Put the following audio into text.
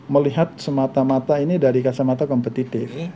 melihat semata mata ini dari kacamata kompetitif